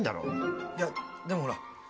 いやでもほらあの。